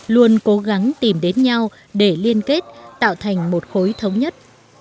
luôn cố gắng tìm đến nhau để liên kết tạo thành một khối thống nhất